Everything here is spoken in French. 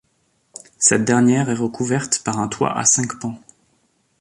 Cette dernière est recouverte par un toit à cinq pans.